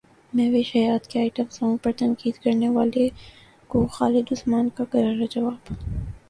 مہوش حیات کے item song پر تنقید کرنے والوں کو خالد عثمان کا کرارا جواب